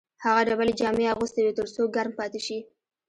هغه ډبلې جامې اغوستې وې تر څو ګرم پاتې شي